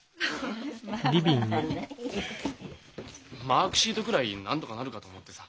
マークシートくらいなんとかなるかと思ってさ。